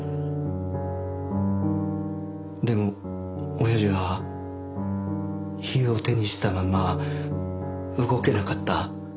でも親父は火を手にしたまんま動けなかった。